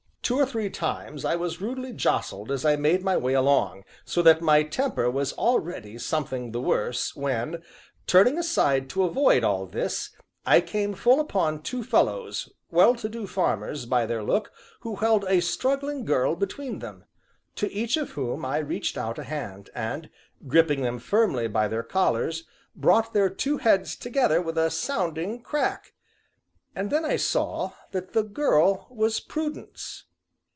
Two or three times I was rudely jostled as I made my way along, so that my temper was already something the worse, when, turning aside to avoid all this, I came full upon two fellows, well to do farmers, by their look, who held a struggling girl between them to each of whom I reached out a hand, and, gripping them firmly by their collars, brought their two heads together with a sounding crack and then I saw that the girl was Prudence.